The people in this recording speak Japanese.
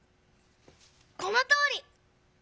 このとおり！